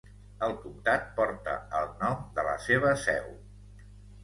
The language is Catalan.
El comtat porta el nom de la seva seu.